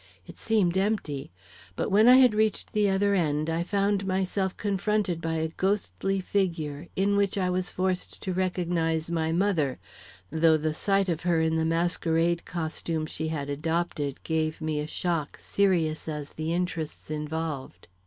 It seemed empty. But when I had reached the other end I found myself confronted by a ghostly figure in which I was forced to recognize my mother, though the sight of her in the masquerade costume she had adopted; gave me a shock serious as the interests involved.